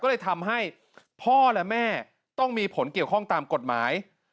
ก็เลยทำให้พ่อและแม่ต้องมีผลเกี่ยวข้องตามกฎหมาย